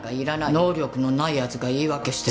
能力のない奴が言い訳してるだけ。